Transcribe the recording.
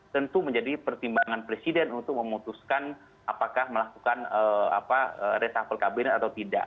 tentu menjadi pertimbangan presiden untuk memutuskan apakah melakukan reshuffle kabinet atau tidak